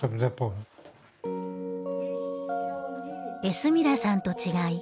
エスミラさんと違い